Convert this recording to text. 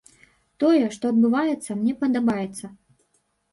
Тое, што адбываецца, мне падабаецца.